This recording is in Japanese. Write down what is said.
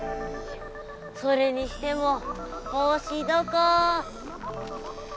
それにしてもぼうしどこ？